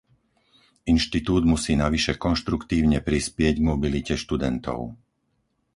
Inštitút musí navyše konštruktívne prispieť k mobilite študentov.